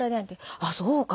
「あっそうか。